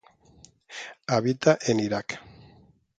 Habita en Irak.